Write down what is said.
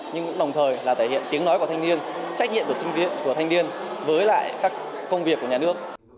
nhưng cũng đồng thời là thể hiện tiếng nói của thanh niên trách nhiệm của sinh viên của thanh niên với lại các công việc của nhà nước